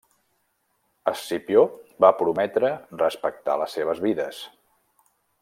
Escipió va prometre respectar les seves vides.